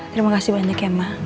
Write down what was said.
terima kasih banyak ya ma